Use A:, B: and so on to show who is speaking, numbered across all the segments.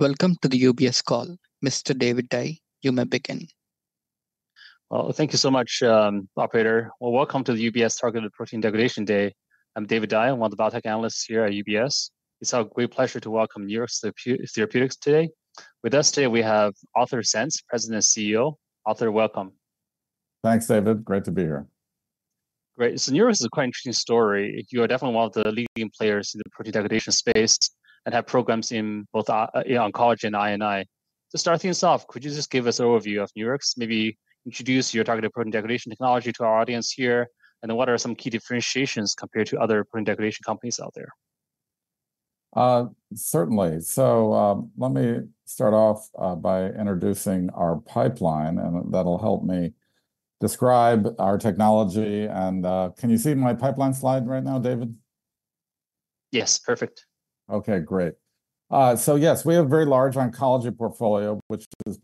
A: Welcome to the UBS call. Mr. David Dai, you may begin.
B: Well, thank you so much, operator. Well, welcome to the UBS Targeted Protein Degradation Day. I'm David Dai, I'm one of the biotech analysts here at UBS. It's our great pleasure to welcome Nurix Therapeutics today. With us today, we have Arthur Sands, President and CEO. Arthur, welcome.
C: Thanks, David. Great to be here.
B: Great. So Nurix is a quite interesting story. You are definitely one of the leading players in the protein degradation space, and have programs in both, oncology and I&I. To start things off, could you just give us an overview of Nurix, maybe introduce your targeted protein degradation technology to our audience here, and then what are some key differentiations compared to other protein degradation companies out there?
C: Certainly. So, let me start off by introducing our pipeline, and that'll help me describe our technology, and can you see my pipeline slide right now, David?
B: Yes, perfect.
C: Okay, great. So yes, we have a very large oncology portfolio, which is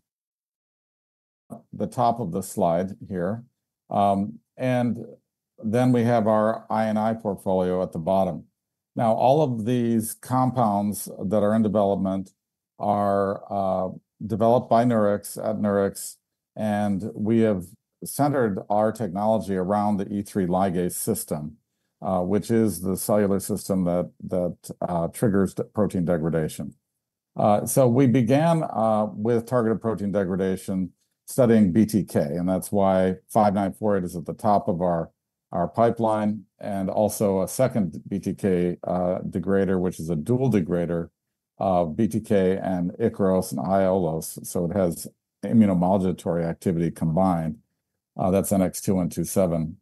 C: the top of the slide here. And then we have our I&I portfolio at the bottom. Now, all of these compounds that are in development are developed by Nurix, at Nurix, and we have centered our technology around the E3 ligase system, which is the cellular system that triggers the protein degradation. So we began with targeted protein degradation studying BTK, and that's why NX-5948 is at the top of our pipeline, and also a second BTK degrader, which is a dual degrader of BTK and Ikaros and Aiolos, so it has immunomodulatory activity combined. That's NX-2127.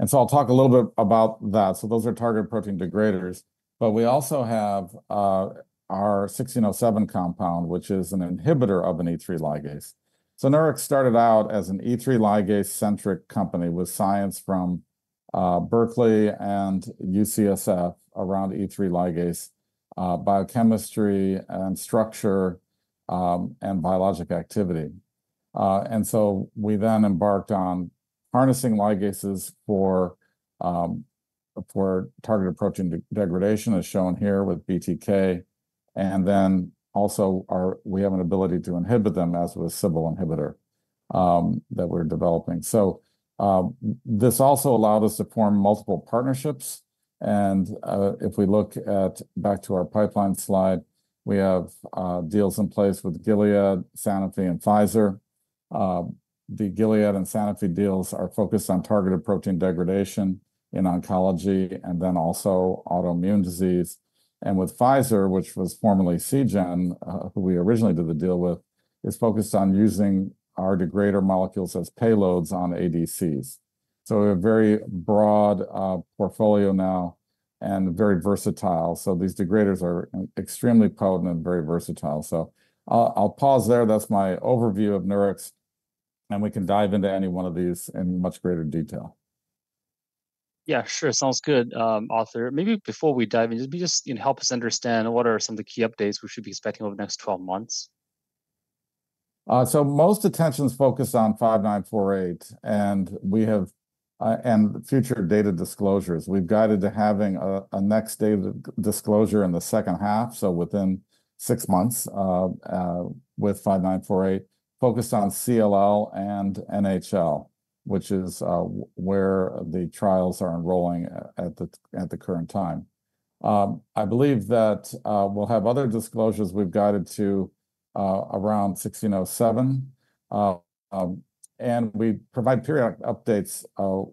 C: And so I'll talk a little bit about that. So those are targeted protein degraders, but we also have our NX-1607 compound, which is an inhibitor of an E3 ligase. So Nurix started out as an E3 ligase-centric company with science from Berkeley and UCSF around E3 ligase biochemistry and structure, and biologic activity. And so we then embarked on harnessing ligases for targeted protein degradation, as shown here with BTK, and then also our-- we have an ability to inhibit them, as with CBL-B inhibitor that we're developing. So this also allowed us to form multiple partnerships, and if we look back to our pipeline slide, we have deals in place with Gilead, Sanofi, and Pfizer. The Gilead and Sanofi deals are focused on targeted protein degradation in oncology, and then also autoimmune disease. And with Pfizer, which was formerly Seagen, who we originally did the deal with, is focused on using our degrader molecules as payloads on ADCs. So a very broad, portfolio now, and very versatile. So these degraders are extremely potent and very versatile. So I'll, I'll pause there. That's my overview of Nurix, and we can dive into any one of these in much greater detail.
B: Yeah, sure. Sounds good, Arthur. Maybe before we dive in, just, you know, help us understand what are some of the key updates we should be expecting over the next 12 months?
C: So most attention's focused on 5948, and we have and future data disclosures. We've guided to having a next data disclosure in the second half, so within six months, with 5948, focused on CLL and NHL, which is where the trials are enrolling at the current time. I believe that we'll have other disclosures. We've guided to around 1607, and we provide periodic updates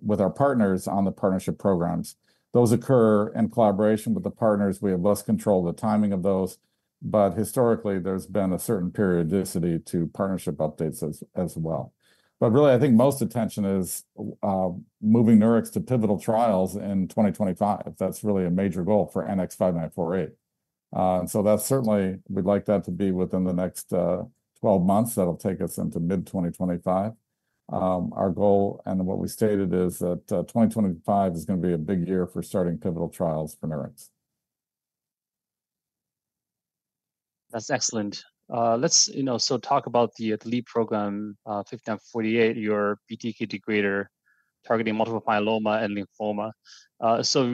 C: with our partners on the partnership programs. Those occur in collaboration with the partners. We have less control of the timing of those, but historically, there's been a certain periodicity to partnership updates as well. But really, I think most attention is moving Nurix to pivotal trials in 2025. That's really a major goal for NX-5948. That's certainly. We'd like that to be within the next 12 months. That'll take us into mid-2025. Our goal, and what we stated, is that 2025 is gonna be a big year for starting pivotal trials for Nurix.
B: That's excellent. Let's, you know, so talk about the lead program, NX-5948, your BTK degrader, targeting multiple myeloma and lymphoma.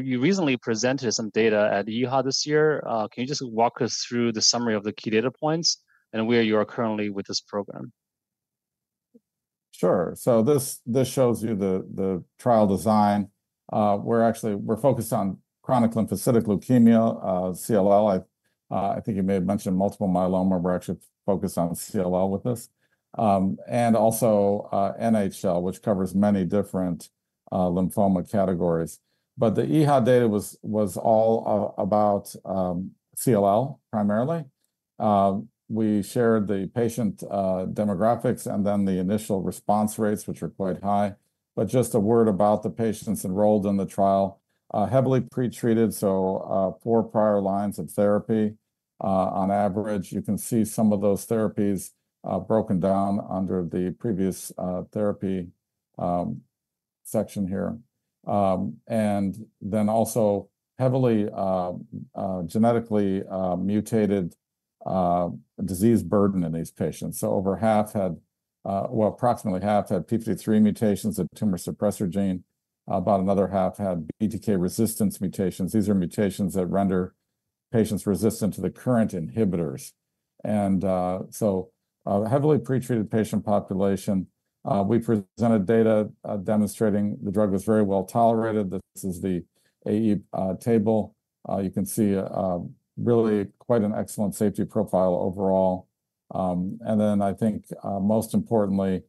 B: You recently presented some data at EHA this year. Can you just walk us through the summary of the key data points and where you are currently with this program?
C: Sure. So this shows you the trial design. We're actually. We're focused on chronic lymphocytic leukemia, CLL. I think you may have mentioned multiple myeloma, but we're actually focused on CLL with this. And also, NHL, which covers many different lymphoma categories. But the EHA data was all about CLL, primarily. We shared the patient demographics, and then the initial response rates, which are quite high. But just a word about the patients enrolled in the trial, heavily pre-treated, so, four prior lines of therapy on average. You can see some of those therapies broken down under the previous therapy section here. And then also heavily genetically mutated disease burden in these patients. So over half had, well, approximately half had TP53 mutations, a tumor suppressor gene, about another half had BTK resistance mutations. These are mutations that render patients resistant to the current inhibitors. And so, a heavily pre-treated patient population, we presented data demonstrating the drug was very well tolerated. This is the AE table. You can see really quite an excellent safety profile overall. And then I think, most importantly,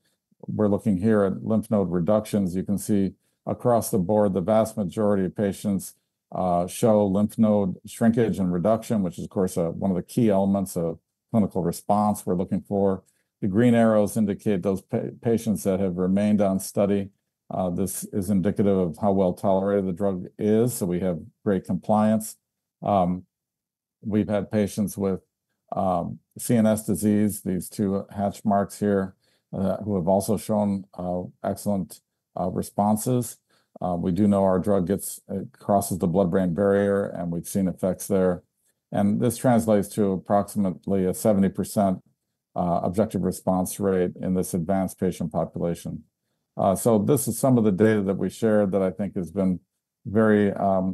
C: we're looking here at lymph node reductions. You can see across the board, the vast majority of patients show lymph node shrinkage and reduction, which is, of course, one of the key elements of clinical response we're looking for. The green arrows indicate those patients that have remained on study. This is indicative of how well tolerated the drug is, so we have great compliance. We've had patients with CNS disease, these two hatch marks here, who have also shown excellent responses. We do know our drug crosses the blood-brain barrier, and we've seen effects there, and this translates to approximately a 70% objective response rate in this advanced patient population. So this is some of the data that we shared that I think has been very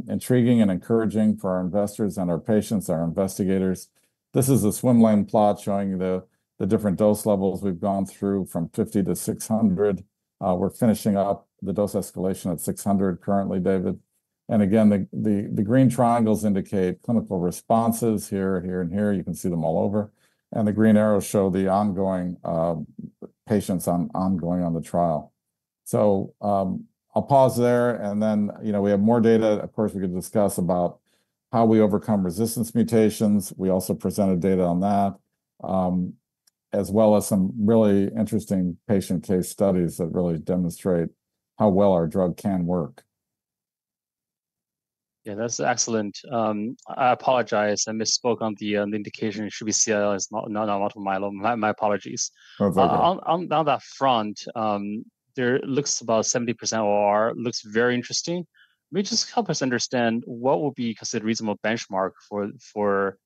C: intriguing and encouraging for our investors and our patients, our investigators. This is a swim lane plot showing the different dose levels we've gone through, from 50 to 600. We're finishing up the dose escalation at 600 currently, David. And again, the green triangles indicate clinical responses here, here, and here. You can see them all over, and the green arrows show the ongoing patients ongoing on the trial. So, I'll pause there, and then, you know, we have more data. Of course, we can discuss about how we overcome resistance mutations. We also presented data on that, as well as some really interesting patient case studies that really demonstrate how well our drug can work.
B: Yeah, that's excellent. I apologize, I misspoke on the indication. It should be CLL, it's not, not a lot of myeloma. My apologies.
C: No problem.
B: On that front, there looks about 70% OR, looks very interesting. Will you just help us understand what would be considered reasonable benchmark for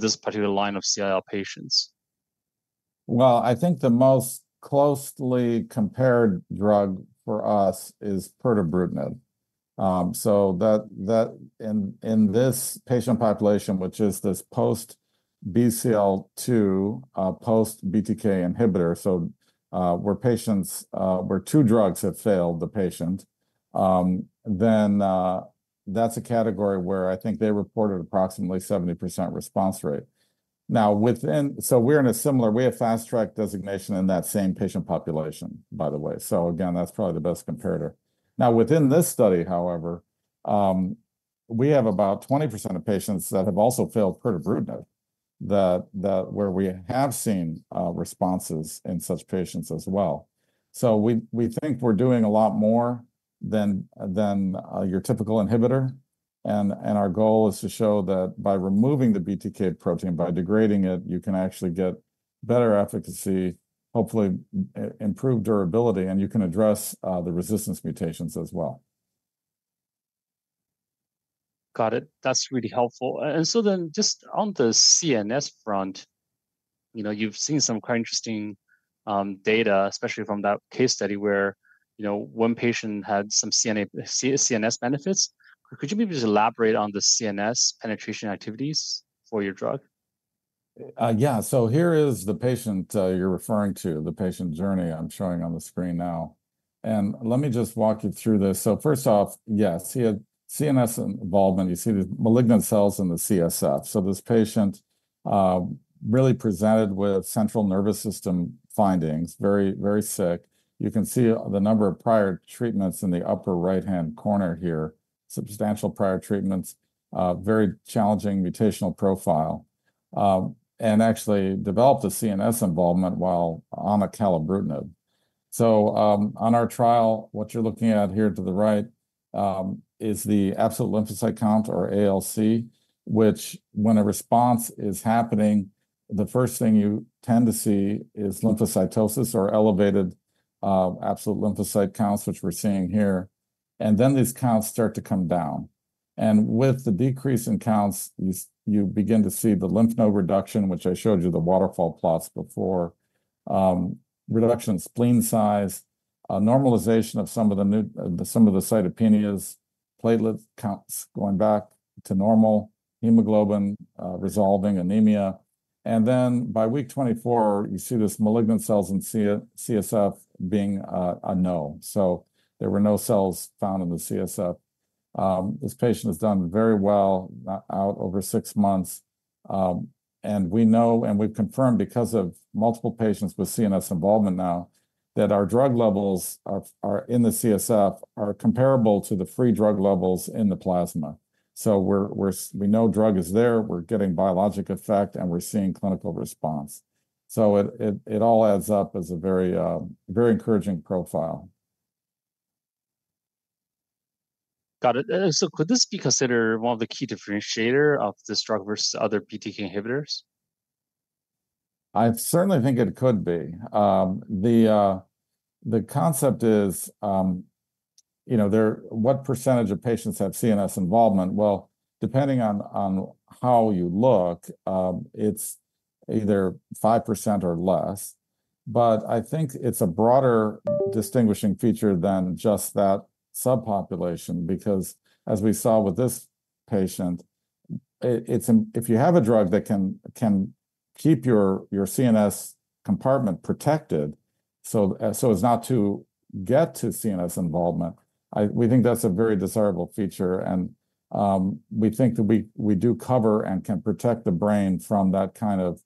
B: this particular line of CLL patients?
C: Well, I think the most closely compared drug for us is pirtobrutinib. So that in this patient population, which is this post-BCL-2, post-BTK inhibitor, so where patients where two drugs have failed the patient, then that's a category where I think they reported approximately 70% response rate. Now, So we're in a similar we have Fast Track designation in that same patient population, by the way, so again, that's probably the best comparator. Now, within this study, however, we have about 20% of patients that have also failed pirtobrutinib, that where we have seen responses in such patients as well. So we think we're doing a lot more than your typical inhibitor, and our goal is to show that by removing the BTK protein, by degrading it, you can actually get better efficacy, hopefully improve durability, and you can address the resistance mutations as well.
B: Got it. That's really helpful. And so then just on the CNS front, you know, you've seen some quite interesting data, especially from that case study where, you know, one patient had some CNS benefits. Could you maybe just elaborate on the CNS penetration activities for your drug?
C: Yeah. So here is the patient, you're referring to, the patient journey I'm showing on the screen now, and let me just walk you through this. So first off, yeah, see a CNS involvement, you see the malignant cells in the CSF. So this patient, really presented with central nervous system findings. Very, very sick. You can see the number of prior treatments in the upper right-hand corner here, substantial prior treatments, very challenging mutational profile. And actually developed a CNS involvement while on acalabrutinib. So, on our trial, what you're looking at here to the right, is the absolute lymphocyte count, or ALC, which when a response is happening, the first thing you tend to see is lymphocytosis or elevated, absolute lymphocyte counts, which we're seeing here, and then these counts start to come down. With the decrease in counts, you begin to see the lymph node reduction, which I showed you the waterfall plots before. Reduction in spleen size, a normalization of some of the cytopenias, platelet counts going back to normal, hemoglobin resolving anemia, and then by week 24, you see this malignant cells in CSF being unknown. So there were no cells found in the CSF. This patient has done very well out over six months, and we know, and we've confirmed, because of multiple patients with CNS involvement now, that our drug levels are in the CSF, are comparable to the free drug levels in the plasma. So we're we know drug is there, we're getting biologic effect, and we're seeing clinical response. So it all adds up as a very, very encouraging profile.
B: Got it. Could this be considered one of the key differentiator of this drug versus other BTK inhibitors?
C: I certainly think it could be. The concept is, you know, what percentage of patients have CNS involvement? Well, depending on how you look, it's either 5% or less. But I think it's a broader distinguishing feature than just that subpopulation, because as we saw with this patient, it's an if you have a drug that can keep your CNS compartment protected, so as not to get to CNS involvement, we think that's a very desirable feature. And we think that we do cover and can protect the brain from that kind of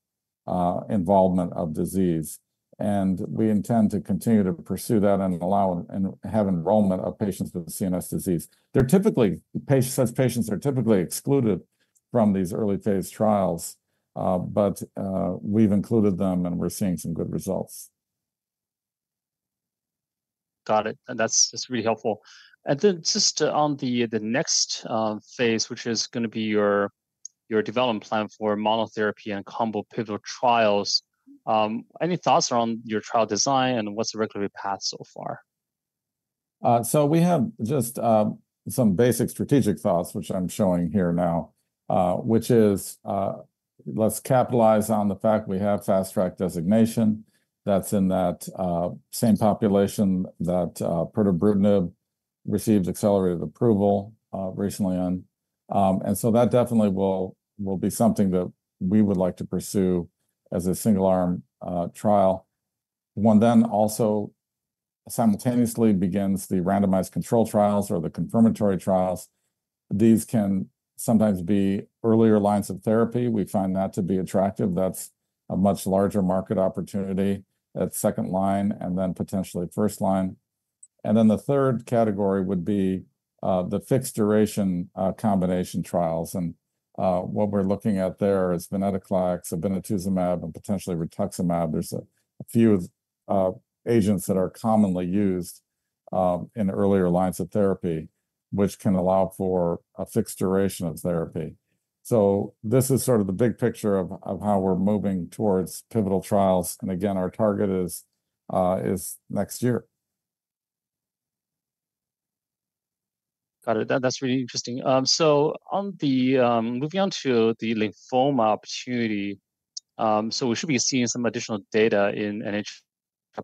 C: involvement of disease, and we intend to continue to pursue that and allow and have enrollment of patients with CNS disease. They're typically such patients are typically excluded from these early phase trials, but we've included them, and we're seeing some good results.
B: Got it. That's really helpful. Then just on the next phase, which is gonna be your development plan for monotherapy and combo pivotal trials, any thoughts on your trial design, and what's the regulatory path so far?
C: So we have just some basic strategic thoughts, which I'm showing here now, which is, let's capitalize on the fact we have Fast Track designation. That's in that same population that pirtobrutinib received accelerated approval recently on. And so that definitely will be something that we would like to pursue as a single-arm trial. One then also simultaneously begins the randomized control trials or the confirmatory trials. These can sometimes be earlier lines of therapy. We find that to be attractive. That's a much larger market opportunity, that second line, and then potentially first line. And then the third category would be the fixed-duration combination trials, and what we're looking at there is venetoclax, obinutuzumab, and potentially rituximab. There's a few agents that are commonly used in the earlier lines of therapy, which can allow for a fixed duration of therapy. So this is sort of the big picture of how we're moving towards pivotal trials, and again, our target is next year.
B: Got it. That, that's really interesting. So on the, moving on to the lymphoma opportunity, so we should be seeing some additional data in NHL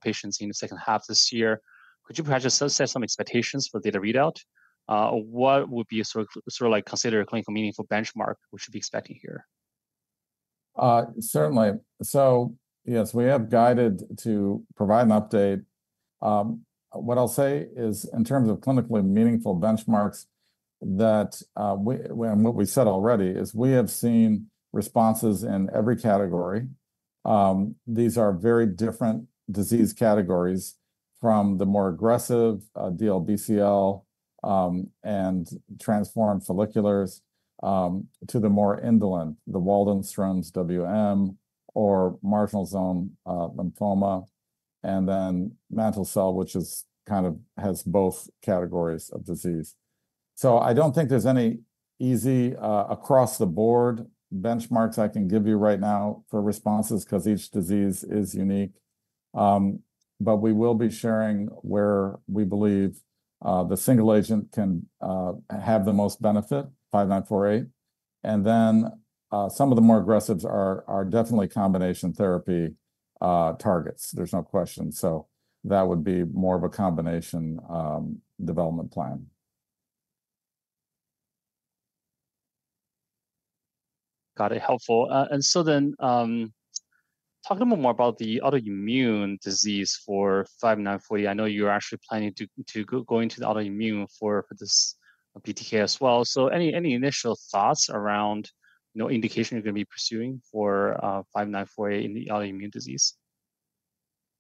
B: patients in the second half this year. Could you perhaps just set some expectations for data readout? What would be a sort of, sort of, like, considered a clinically meaningful benchmark we should be expecting here?
C: Certainly. So yes, we have guided to provide an update. What I'll say is, in terms of clinically meaningful benchmarks, that, and what we said already, is we have seen responses in every category. These are very different disease categories from the more aggressive, DLBCL, and transformed folliculars, to the more indolent, the Waldenström's WM or marginal zone, lymphoma, and then mantle cell, which is kind of has both categories of disease. So I don't think there's any easy, across-the-board benchmarks I can give you right now for responses, 'cause each disease is unique. But we will be sharing where we believe, the single agent can, have the most benefit, 5948, and then, some of the more aggressives are definitely combination therapy, targets. There's no question. That would be more of a combination development plan.
B: Got it. Helpful. And so then, talk a little more about the autoimmune disease for NX-5948. I know you're actually planning to go to the autoimmune for this BTK as well. So any initial thoughts around, you know, indication you're gonna be pursuing for NX-5948 in the autoimmune disease?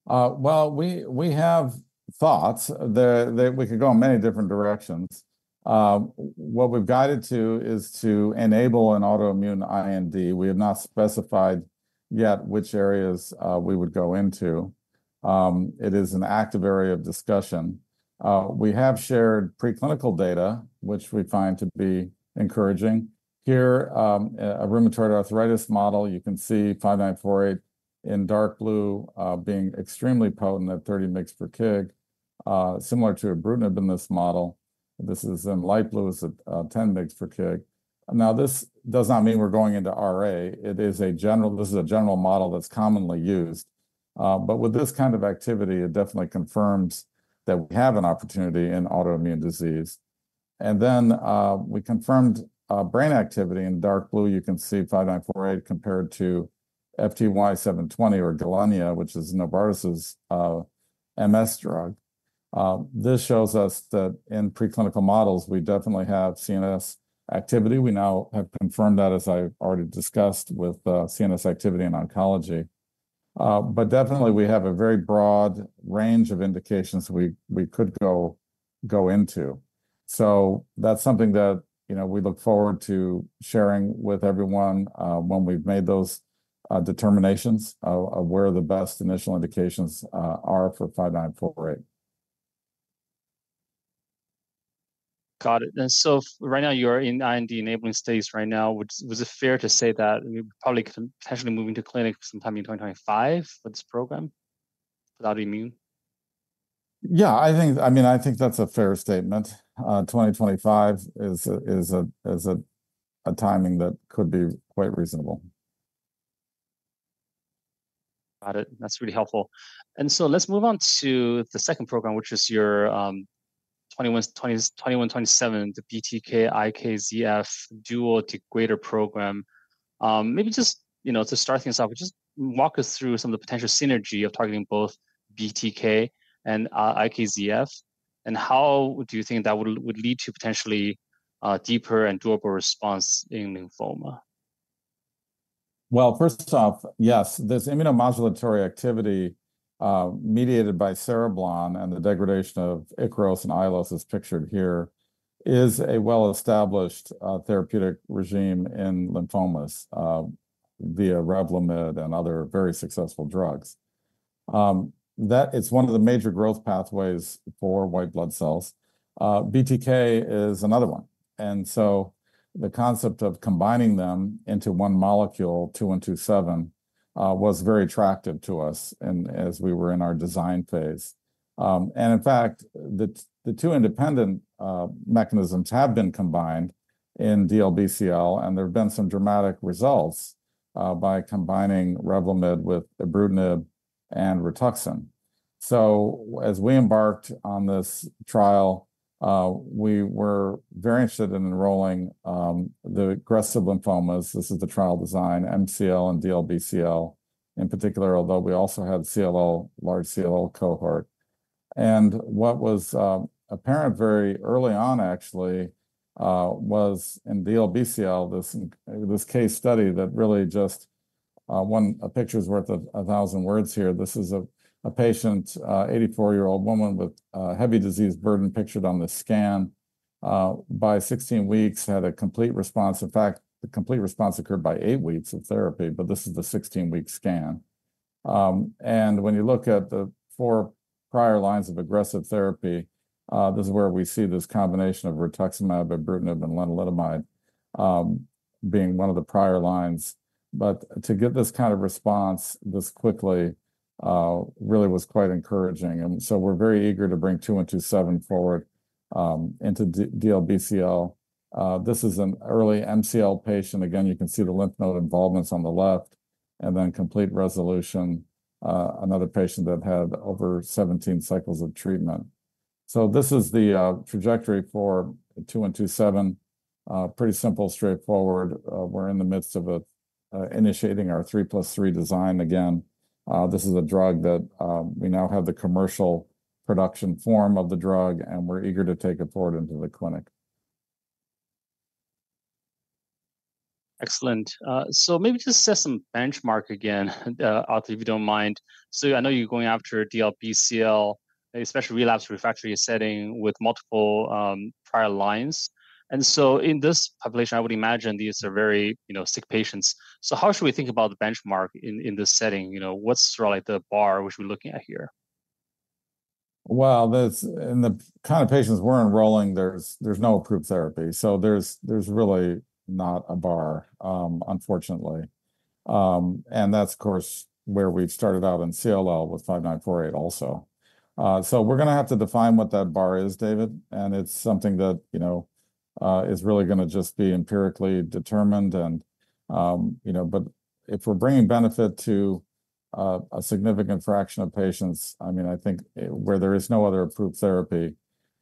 C: Well, we have thoughts that we could go in many different directions. What we've guided to is to enable an autoimmune IND. We have not specified yet which areas we would go into. It is an active area of discussion. We have shared preclinical data, which we find to be encouraging. Here, a rheumatoid arthritis model, you can see 5948 in dark blue, being extremely potent at 30 mg per kg, similar to ibrutinib in this model. This is in light blue. It's at 10 mg per kg. Now, this does not mean we're going into RA. It is a general. This is a general model that's commonly used, but with this kind of activity, it definitely confirms that we have an opportunity in autoimmune disease. And then, we confirmed brain activity. In dark blue, you can see NX-5948 compared to FTY720 or Gilenya, which is Novartis's MS drug. This shows us that in preclinical models, we definitely have CNS activity. We now have confirmed that, as I've already discussed, with CNS activity in oncology. But definitely we have a very broad range of indications we, we could go, go into. So that's something that, you know, we look forward to sharing with everyone, when we've made those determinations of, of where the best initial indications are for NX-5948.
B: Got it. And so right now, you are in IND-enabling stage right now, which is it fair to say that you probably can potentially move into clinic sometime in 2025 for this program, for autoimmune?
C: Yeah, I think, I mean, I think that's a fair statement. 2025 is a timing that could be quite reasonable.
B: Got it. That's really helpful. And so let's move on to the second program, which is your 2127, the BTK/IKZF dual degrader program. Maybe just, you know, to start things off, just walk us through some of the potential synergy of targeting both BTK and IKZF, and how do you think that would lead to potentially deeper and durable response in lymphoma?
C: Well, first off, yes, this immunomodulatory activity, mediated by cereblon and the degradation of Ikaros and Aiolos, as pictured here, is a well-established therapeutic regimen in lymphomas via Revlimid and other very successful drugs. That is one of the major growth pathways for white blood cells. BTK is another one, and so the concept of combining them into one molecule, NX-2127, was very attractive to us and as we were in our design phase. In fact, the two independent mechanisms have been combined in DLBCL, and there have been some dramatic results by combining Revlimid with ibrutinib and Rituxan. So as we embarked on this trial, we were very interested in enrolling the aggressive lymphomas. This is the trial design, MCL and DLBCL in particular, although we also had CLL, large CLL cohort. What was apparent very early on, actually, was in DLBCL, this case study that really just a picture is worth a thousand words here. This is a patient, 84-year-old woman with heavy disease burden pictured on the scan. By 16 weeks, had a complete response. In fact, the complete response occurred by 8 weeks of therapy, but this is the 16-week scan. And when you look at the 4 prior lines of aggressive therapy, this is where we see this combination of rituximab, ibrutinib, and lenalidomide being one of the prior lines. But to get this kind of response this quickly really was quite encouraging, and so we're very eager to bring NX-2127 forward into DLBCL. This is an early MCL patient. Again, you can see the lymph node involvements on the left, and then complete resolution, another patient that had over 17 cycles of treatment. So this is the trajectory for 227. Pretty simple, straightforward. We're in the midst of initiating our 3+3 design. Again, this is a drug that we now have the commercial production form of the drug, and we're eager to take it forward into the clinic.
B: Excellent. So maybe just set some benchmark again, Arthur, if you don't mind. So I know you're going after DLBCL, especially relapsed refractory setting with multiple prior lines. And so in this population, I would imagine these are very, you know, sick patients. So how should we think about the benchmark in this setting? You know, what's really the bar we should be looking at here?
C: Well, in the kind of patients we're enrolling, there's no approved therapy, so there's really not a bar, unfortunately. And that's, of course, where we started out in CLL with 5948 also. So we're gonna have to define what that bar is, David, and it's something that, you know, is really gonna just be empirically determined, and, you know. But if we're bringing benefit to a significant fraction of patients, I mean, I think, where there is no other approved therapy,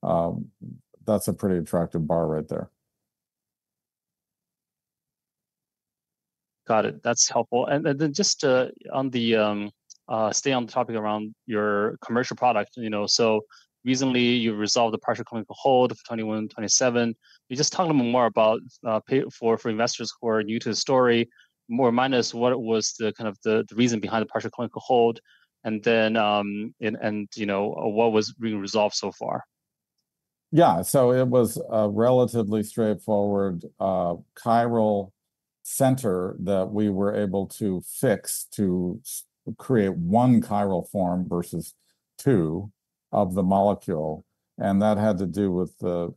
C: that's a pretty attractive bar right there.
B: Got it. That's helpful. And then just to stay on the topic around your commercial product, you know, so recently, you resolved the partial clinical hold of 2127. Can you just talk to me more about, for investors who are new to the story, more or less, what was the kind of the reason behind the partial clinical hold, and then, you know, what was being resolved so far?
C: Yeah. So it was a relatively straightforward chiral center that we were able to fix to create one chiral form versus two of the molecule, and that had to do with the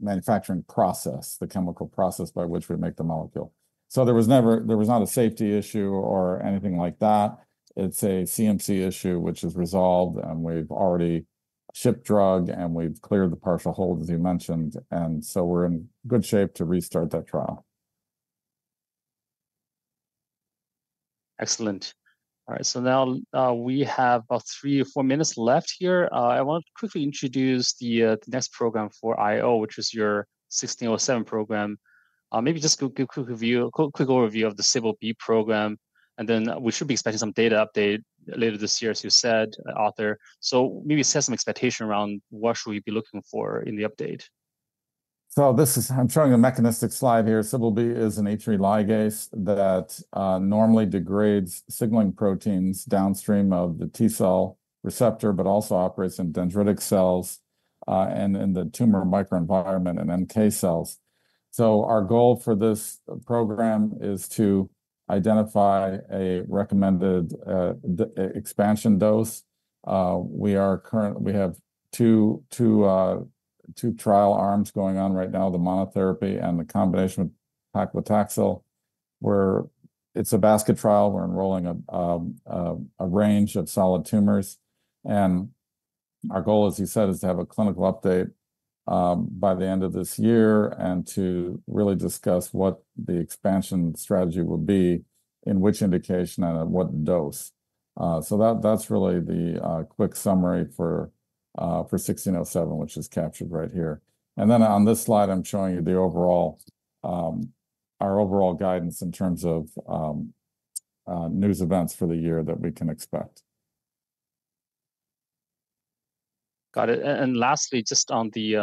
C: manufacturing process, the chemical process by which we make the molecule. So there was never there was not a safety issue or anything like that. It's a CMC issue, which is resolved, and we've already shipped drug, and we've cleared the partial hold, as you mentioned, and so we're in good shape to restart that trial.
B: Excellent. All right, so now we have about three or four minutes left here. I want to quickly introduce the next program for IO, which is your 1607 program. Maybe just give a quick review, quick overview of the CBL-B program, and then we should be expecting some data update later this year, as you said, Arthur. So maybe set some expectation around what we should be looking for in the update?
C: So this is. I'm showing a mechanistic slide here. CBL-B is an E3 ligase that normally degrades signaling proteins downstream of the T cell receptor, but also operates in dendritic cells and in the tumor microenvironment and NK cells. So our goal for this program is to identify a recommended expansion dose. We have two trial arms going on right now, the monotherapy and the combination with paclitaxel, where it's a basket trial. We're enrolling a range of solid tumors, and our goal, as you said, is to have a clinical update by the end of this year, and to really discuss what the expansion strategy will be, in which indication, and at what dose. So that's really the quick summary for NX-1607, which is captured right here. On this slide, I'm showing you the overall, our overall guidance in terms of, news events for the year that we can expect.
B: Got it. And lastly, just on the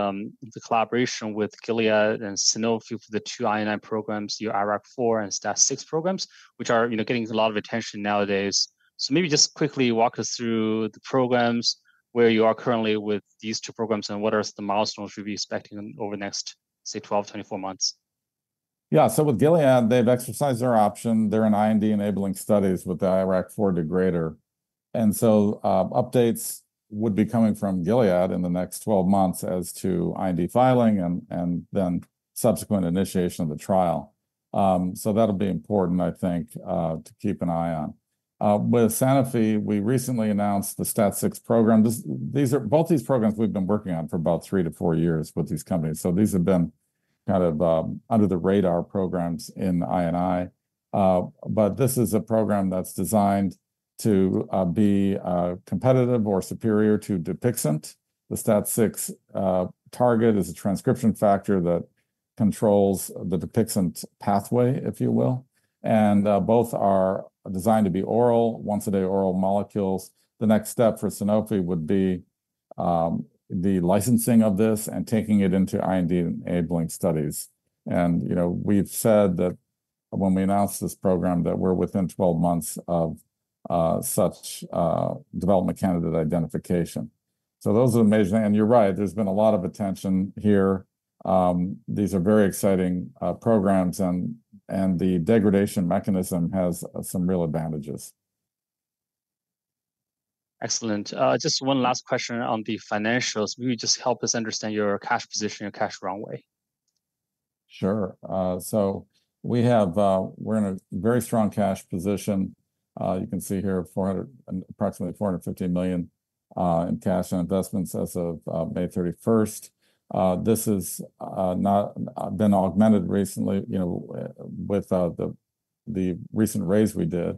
B: collaboration with Gilead and Sanofi for the two I&I programs, your IRAK4 and STAT6 programs, which are, you know, getting a lot of attention nowadays. So maybe just quickly walk us through the programs, where you are currently with these two programs, and what are the milestones we should be expecting over the next, say, 12-24 months?
C: Yeah. So with Gilead, they've exercised their option. They're in IND-enabling studies with the IRAK4 degrader, and so, updates would be coming from Gilead in the next 12 months as to IND filing and then subsequent initiation of the trial. So that'll be important, I think, to keep an eye on. With Sanofi, we recently announced the STAT6 program. These are both these programs we've been working on for about 3-4 years with these companies, so these have been kind of under the radar programs in I&I. But this is a program that's designed to be competitive or superior to Dupixent. The STAT6 target is a transcription factor that controls the Dupixent pathway, if you will, and both are designed to be oral, once-a-day oral molecules. The next step for Sanofi would be, the licensing of this and taking it into IND-enabling studies. And, you know, we've said that when we announced this program, that we're within 12 months of such development candidate identification. So those are the major... And you're right, there's been a lot of attention here. These are very exciting programs, and, and the degradation mechanism has some real advantages.
B: Excellent. Just one last question on the financials. Maybe just help us understand your cash position, your cash runway.
C: Sure. So we have-- we're in a very strong cash position. You can see here, approximately $450 million in cash and investments as of May 31. This is not been augmented recently, you know, with the recent raise we did.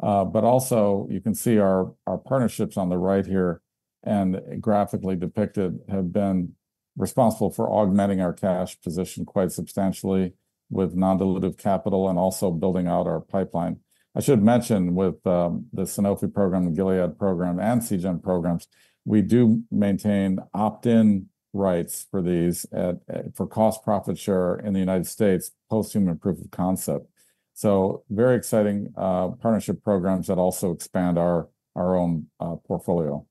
C: But also, you can see our partnerships on the right here, and graphically depicted, have been responsible for augmenting our cash position quite substantially with non-dilutive capital and also building out our pipeline. I should mention, with the Sanofi program, the Gilead program, and Seagen programs, we do maintain opt-in rights for these at for cost profit share in the United States, post human proof of concept. So very exciting partnership programs that also expand our own portfolio.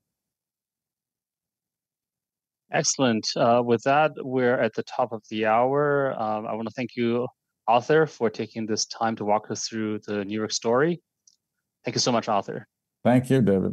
B: Excellent. With that, we're at the top of the hour. I wanna thank you, Arthur, for taking this time to walk us through the Nurix story. Thank you so much, Arthur.
C: Thank you, David.